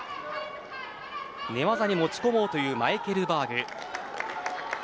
寝技に持ち込もうというマエケルバーグ。